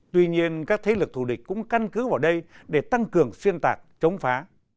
tuy nhiên các thế lực thù địch cũng căn cứ vào đây để tăng cường xuyên tạc chống phá